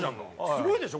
すごいでしょ？